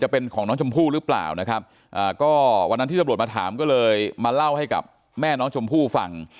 เป็นของน้องชมพู่หรือเปล่านะครับอ่าก็วันนั้นที่ตำรวจมาถามก็เลยมาเล่าให้กับแม่น้องชมพู่ฟัง